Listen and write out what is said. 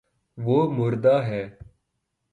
وہ مردا ہے